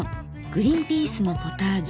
グリンピースのポタージュ。